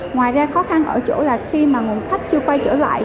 ngoài ra khó khăn ở chỗ là khi mà nguồn khách chưa quay trở lại